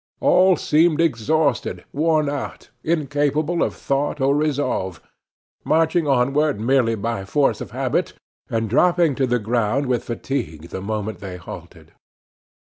All seemed exhausted, worn out, incapable of thought or resolve, marching onward merely by force of habit, and dropping to the ground with fatigue the moment they halted.